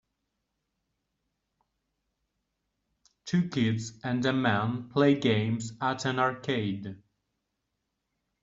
Two kids and a man play games at an arcade.